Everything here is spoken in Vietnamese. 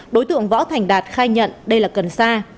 đối tượng võ thành đạt khai nhận đây là cần sa